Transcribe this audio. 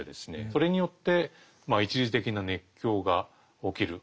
それによって一時的な熱狂が起きる。